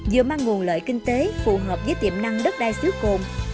dựa mang nguồn lợi kinh tế phù hợp với tiệm năng đất đai xứ cồn